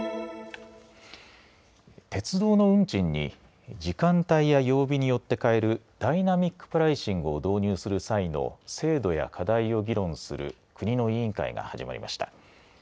鉄道の運賃に、時間帯や曜日によって変えるダイナミックプライシングを導入する際の制度や課題を議論する国の委員会が始まりました。